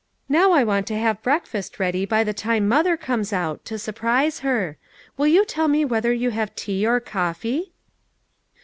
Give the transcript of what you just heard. "Now I want to have breakfast ready by the time mother comes out, to surprise her. Will you tell me whether you have tea or coffee